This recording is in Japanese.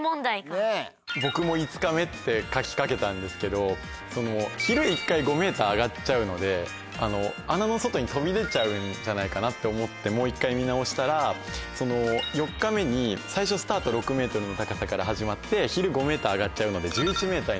僕も５日目って書きかけたんですけど昼１回５ｍ上がっちゃうので穴の外に飛び出ちゃうんじゃないかなって思ってもう一回見直したら４日目に最初スタート６ｍの高さから始まって昼５ｍ上がっちゃうので１１ｍになる。